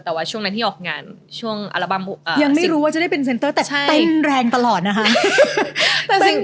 แต่ว่าช่วงนั้นที่ออกงานช่วงอัลบั้มยังไม่รู้ว่าจะได้เป็นเซ็นเตอร์แต่เต็มแรงตลอดนะคะ